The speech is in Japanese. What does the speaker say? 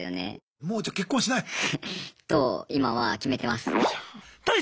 もうじゃあ結婚しない？と今は決めてます。